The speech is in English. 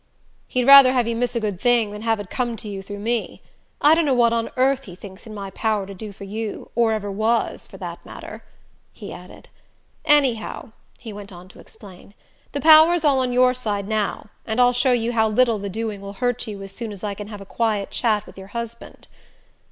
"He'd rather have you miss a good thing than have it come to you through me. I don't know what on earth he thinks it's in my power to do to you or ever was, for that matter," he added. "Anyhow," he went on to explain, "the power's all on your side now; and I'll show you how little the doing will hurt you as soon as I can have a quiet chat with your husband."